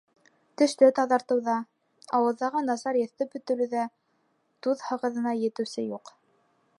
Теште таҙартыуҙа, ауыҙҙағы насар еҫте бөтөрөүҙә туҙ һағыҙына етеүсе юҡ.